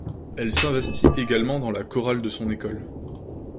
Elle s’investit également dans la chorale de son école.